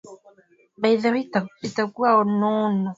Katika lugha adhimu ya kiswahili